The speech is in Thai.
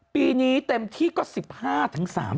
ปีนี้เต็มที่ก็๑๕๓๐